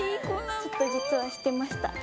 ちょっと実はしてました。